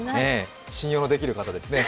信用のできる方ですね。